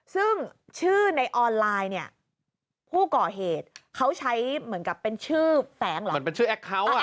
ซึ่งชื่อในออนไลน์เนี่ยผู้ก่อเหตุเขาใช้เหมือนกับเป็นชื่อแฝงเหรอเหมือนเป็นชื่อแอคเคาน์อ่ะ